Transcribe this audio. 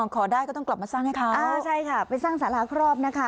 ขอได้ก็ต้องกลับมาสร้างให้เขาใช่ค่ะไปสร้างสาราครอบนะคะ